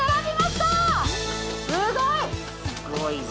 すごい。